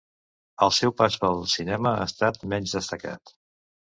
El seu pas pel cinema ha estat menys destacat.